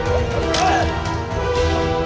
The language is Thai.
อ้าวอ้าวอ้าว